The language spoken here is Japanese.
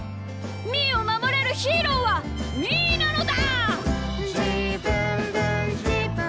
みーをまもれるヒーローはみーなのだ！」。